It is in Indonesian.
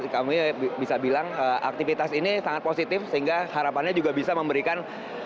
kami bisa bilang aktivitas ini sangat positif sehingga harapannya juga bisa memberikan